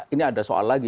ini ada soal lagi